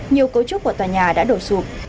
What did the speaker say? nhiều cấu trúc của tòa nhà đã đổ sụp